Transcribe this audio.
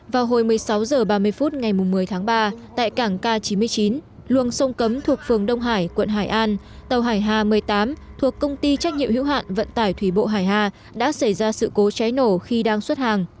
vào hồi một mươi sáu h ba mươi phút ngày một mươi tháng ba tại cảng k chín mươi chín luồng sông cấm thuộc phường đông hải quận hải an tàu hải hà một mươi tám thuộc công ty trách nhiệm hữu hạn vận tải thủy bộ hải hà đã xảy ra sự cố cháy nổ khi đang xuất hàng